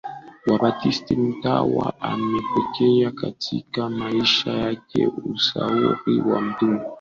Wabaptisti Mtawa amepokea katika maisha yake ushauri wa mtume